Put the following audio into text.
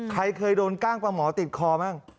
ใครเคยโดนกล้างปลาหมอติดคอบ้าง